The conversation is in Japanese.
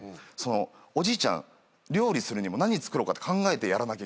おじいちゃん料理するにも何作ろうかって考えてやらなきゃいけないんですよ。